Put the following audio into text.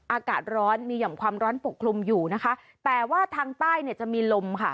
อากาศร้อนมีหย่อมความร้อนปกคลุมอยู่นะคะแต่ว่าทางใต้เนี่ยจะมีลมค่ะ